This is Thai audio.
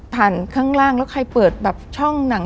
ข้างล่างแล้วใครเปิดแบบช่องหนัง